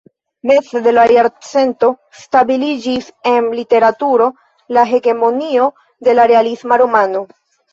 Meze de la jarcento stabiliĝis en literaturo la hegemonio de la realisma romano.